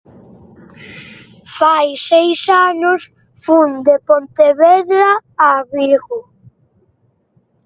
Fai seis anos fun de Pontevedra a Vigho.